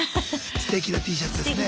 すてきなＴシャツですね